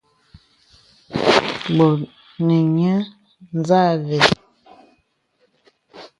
Bɔ nə̀ nyə̄ nzâ və̀.